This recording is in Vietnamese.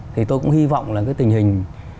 thì tôi cũng hy vọng là cái tình hình